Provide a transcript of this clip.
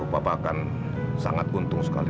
bapak akan sangat untung sekali